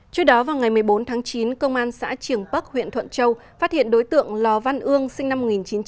trước đó vào ngày một mươi bốn tháng chín công an xã trường bắc huyện thuận châu phát hiện đối tượng lò văn ương sinh năm một nghìn chín trăm tám mươi